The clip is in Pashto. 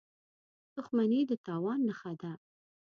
• دښمني د تاوان نښه ده.